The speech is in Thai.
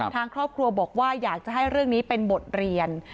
ทางครอบครัวบอกว่าอยากจะให้เรื่องนี้เป็นบทเรียน